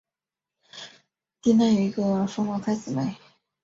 基南有一个双胞胎姊妹。